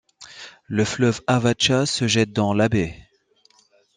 Le fleuve Avatcha se jette dans la baie.